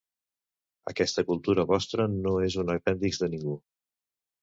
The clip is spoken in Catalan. Aquesta cultura vostra no és un apèndix de ningú.